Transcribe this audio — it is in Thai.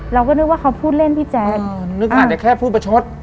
เราก็นึกว่าเขาพูดเล่นพี่แจ๊คนึกอาจจะแค่พูดประชด